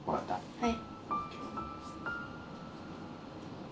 はい。